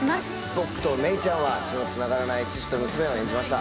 僕と芽郁ちゃんは血のつながらない父と娘を演じました。